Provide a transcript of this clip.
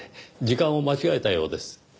時間を間違えたようです。